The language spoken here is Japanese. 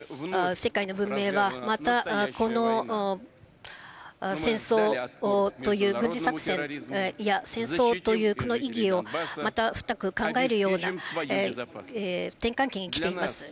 きょう、文明は、世界の文明は、またこの戦争という軍事作戦、いや、戦争というこの意義を、また深く考えるような転換期に来ています。